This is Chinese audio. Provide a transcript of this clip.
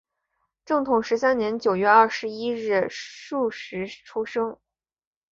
正统十三年九月二十一日戌时出生。